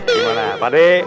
gimana pak dek